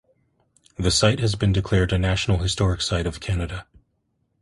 The site has been declared a National Historic Site of Canada.